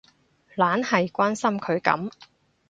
懶係關心佢噉